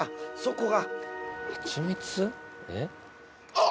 あっ！